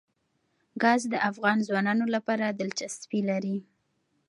ګاز د افغان ځوانانو لپاره دلچسپي لري.